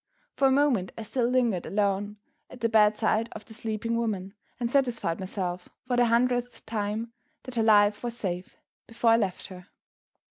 For a moment I still lingered alone at the bedside of the sleeping woman, and satisfied myself for the hundredth time that her life was safe, before I left her.